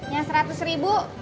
yang seratus ribu